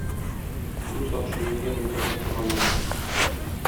Бу сакчыны нигә монда бастырганнар икән?